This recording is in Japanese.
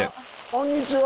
こんにちは。